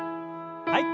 はい。